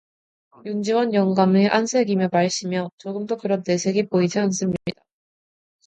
윤지원 영감의 안색이며 말씨며 조금도 그런 내색이 보이지 않습니다.